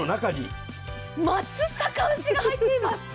松阪牛が入っています。